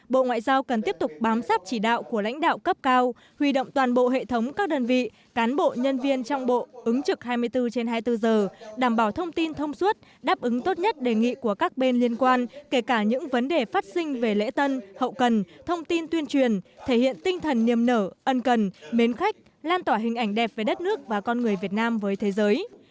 bộ ngoại giao cần tiếp tục bám sát chỉ đạo cấp cao huy động toàn bộ hệ thống các đơn vị cán bộ nhân viên trong bộ ứng trực hai mươi bốn trên hai mươi bốn giờ đảm bảo thông tin thông suốt đáp ứng tốt nhất đề nghị của các bên liên quan kể cả những vấn đề phát sinh về lễ tân hậu cần thông tin tuyên truyền hậu cần mến khách lan tỏa hình ảnh đẹp về đất nước và con người việt nam với thế giới